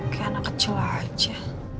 kayak anak kecil aja